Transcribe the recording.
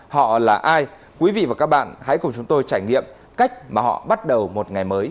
họ là ai quý vị và các bạn hãy cùng chúng tôi trải nghiệm cách mà họ bắt đầu một ngày mới